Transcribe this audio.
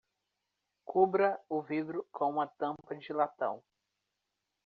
Cubra o vidro com uma tampa de latão.